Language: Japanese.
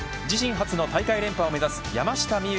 初の大会連覇を目指す山下美夢